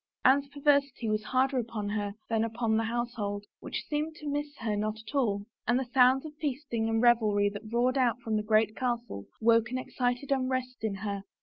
Anne's perversity was harder upon her than upon the household, which seemed to miss her not at all, and the sounds of feasting and revelry that roared out from the great hall woke an excited unrest in her.